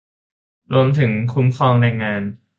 รวมถึงคุ้มครองแรงงาน